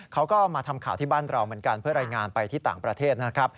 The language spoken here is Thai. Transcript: เขาก็มาทำข่าวที่บ้านเราเหมือนกันเพื่อรายงานไปที่ต่างประเทศนะครับ